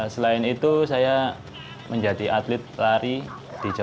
selain itu saya menjadi atlet lari di jawa